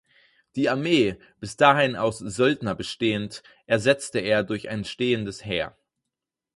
Die Armee, bis dahin aus Söldner bestehend, ersetze er durch ein stehendes Heer.